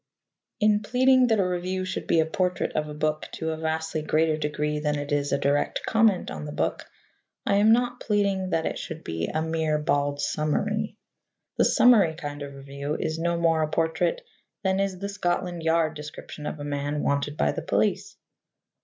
In pleading that a review should be a portrait of a book to a vastly greater degree than it is a direct comment on the book, I am not pleading that it should be a mere bald summary. The summary kind of review is no more a portrait than is the Scotland Yard description of a man wanted by the police.